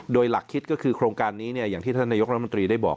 โดยหลักคิดก็คือโครงการนี้อย่างที่ท่านนายกรัฐมนตรีได้บอก